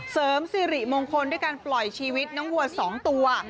เสริมสิริมงคลด้วยการปล่อยชีวิตน้องวัว๒ตัว